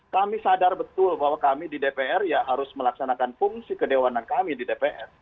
kami sadar betul bahwa kami di dpr ya harus melaksanakan fungsi kedewanan kami di dpr